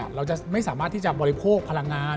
เราจะไม่สามารถที่จะบริโภคพลังงาน